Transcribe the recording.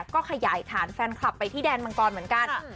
ก็ขยายฐานแฟนคลับไปที่แดนมังกรเหมือนกัน